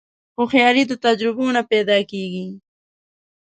هوښیاري د تجربو نه پیدا کېږي.